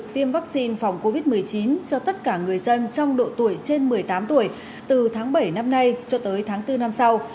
tiêm vaccine phòng covid một mươi chín cho tất cả người dân trong độ tuổi trên một mươi tám tuổi từ tháng bảy năm nay cho tới tháng bốn năm sau